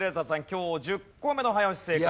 今日１０個目の早押し正解。